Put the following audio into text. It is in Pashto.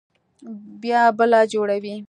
بيا بله جوړوي.